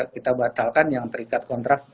kita batalkan yang terikat kontrak